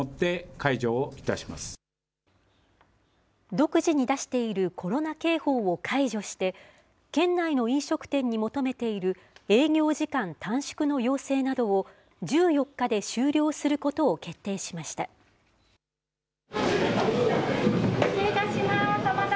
独自に出しているコロナ警報を解除して、県内の飲食店に求めている営業時間短縮の要請などを、１４日で終了することを決定しました。